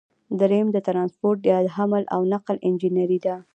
دریم د ټرانسپورټ یا حمل او نقل انجنیری ده.